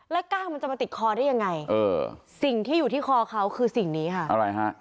แล้วก้างมันจะมาติดคอได้ยังไงเออสิ่งที่อยู่ที่คอเขาคือสิ่งนี้ค่ะอะไรฮะ